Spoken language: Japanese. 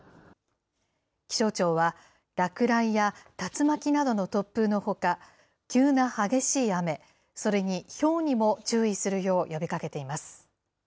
気象庁は落雷や竜巻などの突風のほか、急な激しい雨、それにひょうにも注意するよう呼びかけています。